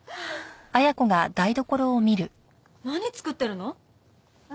何作ってるの？